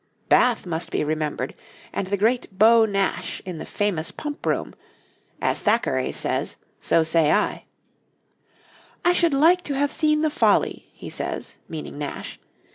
Bath must be remembered, and the great Beau Nash in the famous Pump Room as Thackeray says, so say I: 'I should like to have seen the Folly,' he says, meaning Nash.